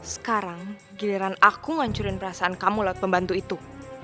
sekarang giliran aku ngancurin perasaan kamu lewat pembantu itu